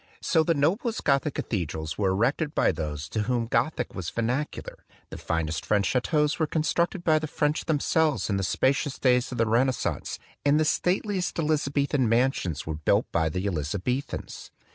So the noblest Gothic cathe drals were erected by those to whom Gothic was vernacular; the finest French chateaux were constructed by the French themselves in the spacious days of the Renascence; and the state liest Elizabethan mansions were built by the Elizabethans.